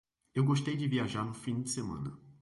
Eu gostei de viajar no fim de semana